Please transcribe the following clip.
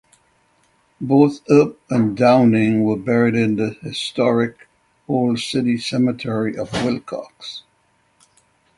Both Earp and Downing were buried in the historic "Old City Cemetery" of Willcox.